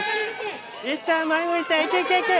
いっちゃん前向いていけいけいけ！